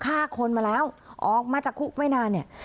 ฆ่าคนมาแล้วออกมาจากคุกไม่นานเนี่ย